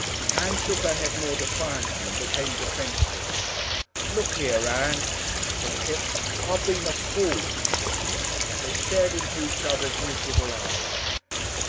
Ann shook her head more defiantly, and became defensive. "Look here, Ann," said Kipps. "I been a fool." They stared into each other's miserable eyes.